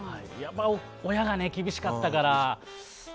親が厳しかったから。